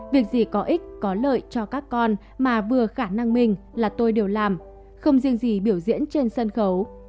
việc gì có ích có lợi cho các con mà vừa khả năng mình là tôi đều làm không riêng gì biểu diễn trên sân khấu